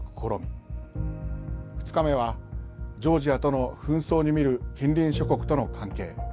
２日目はジョージアとの紛争に見る「近隣諸国との関係」。